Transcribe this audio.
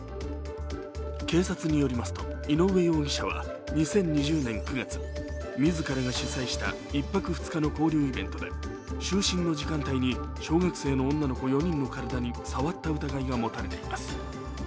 警察によりますと、井上容疑者は２０２０年９月、自らが主催した１泊２日の交流イベントで、就寝の時間帯に小学生の女の子４にっの体に触った疑いが持たれています。